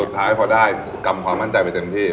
สุดท้ายพอได้กรรมความมั่นใจไปเต็มที่